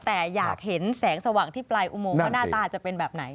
แต่อยากเห็นแสงสว่างที่ปลายอุโมงว่าหน้าตาจะเป็นแบบไหน